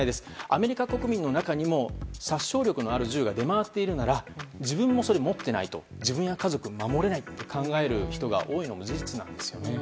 アメリカ国民の中にも殺傷力のある銃が出回っているなら自分もそれを持っていないと自分や家族を守れないと考える人が多いのも事実なんです。